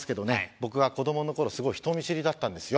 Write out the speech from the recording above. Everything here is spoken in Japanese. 僕は子どもの頃すごい人見知りだったんですよ。